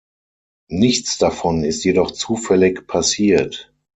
Nichts davon ist jedoch zufällig passiert.